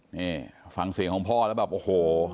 นี่ฟังเสียงของพ่อแล้วแบบโอ้โห